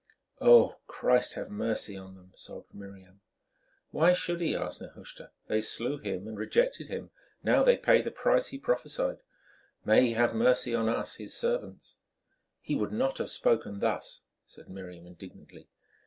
"Oh! Christ have mercy on them," sobbed Miriam. "Why should He?" asked Nehushta. "They slew Him and rejected Him; now they pay the price He prophesied. May He have mercy on us, His servants." "He would not have spoken thus," said Miriam indignantly.